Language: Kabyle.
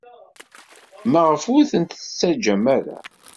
Maɣef ur tent-tettaǧǧam ara?